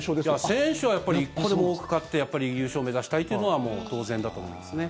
選手はやっぱり１個でも多く勝って優勝目指したいというのは当然だと思いますね。